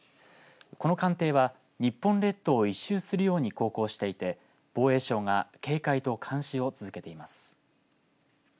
この艦艇は日本列島を１周するように航行していて防衛省が警戒と監視を続けています。